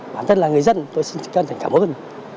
bản thân là người dân tôi xin chân thành cảm ơn